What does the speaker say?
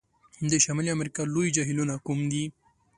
د شمالي امریکا لوی جهیلونو کوم دي؟